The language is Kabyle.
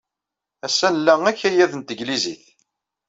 Ass-a, nla akayad n tanglizit.